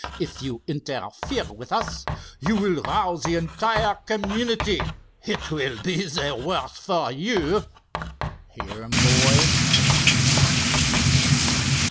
If you interfere with us, you will rouse the entire community. It will be the worse for you." "Hear him, boys," rallied the outlaw leader.